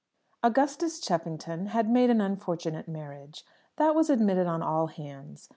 Augustus Cheffington had made an unfortunate marriage. That was admitted on all hands.